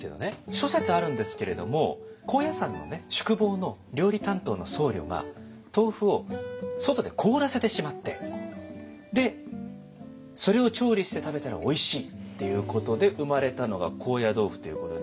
諸説あるんですけれども高野山のね宿坊の料理担当の僧侶が豆腐を外で凍らせてしまってでそれを調理して食べたらおいしいということで生まれたのが高野豆腐ということで。